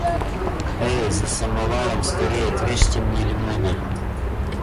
Эй, за самоваром, скорей отрежьте мне лимона.